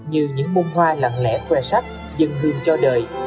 như những môn hoa lặng lẽ khoe sắt dần hương cho đời